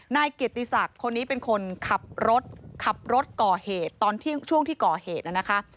นายเกียรติศักดิ์คนนี้เป็นคนขับรถขับรถก่อเหตุตอนช่วงที่ก่อเหตุนะคะ